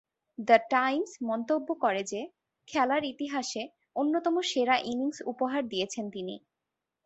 The Times মন্তব্য করে যে, খেলার ইতিহাসের অন্যতম সেরা ইনিংস উপহার দিয়েছেন তিনি।